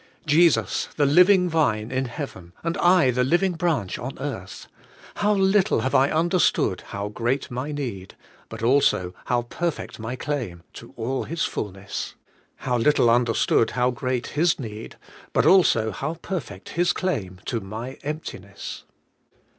Jesus the living Vine in heaven, and I the living branch on earth ! How little have I under stood how great my need, but also how perfect my claim, to all His fulness! How little understood how great His need, but also how perfect His claim, to my emptiness!